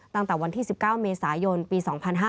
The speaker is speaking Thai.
ตั้งแต่วันที่๑๙เมษายนปี๒๕๕๙